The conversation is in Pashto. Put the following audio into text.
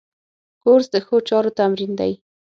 کورس د ښو چارو تمرین دی.